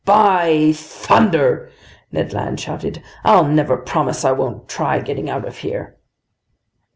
"By thunder!" Ned Land shouted. "I'll never promise I won't try getting out of here!"